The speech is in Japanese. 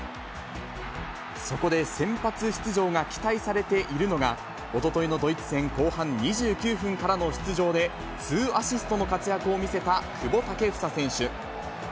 そこで先発出場が期待されているのが、おとといのドイツ戦後半２９分からの出場で、２アシストの活躍を見せた久保建英選手。